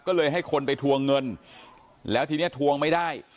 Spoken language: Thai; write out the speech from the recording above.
ก็เลยให้คนไปทวงเงินแล้วทีนี้ทวงไม่ได้